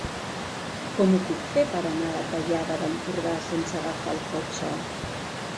Com ho puc fer per anar a la Tallada d'Empordà sense agafar el cotxe?